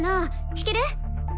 弾ける？